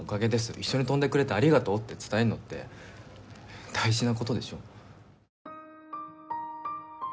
一緒に飛んでくれてありがとう」って伝えるのって大事な事でしょ？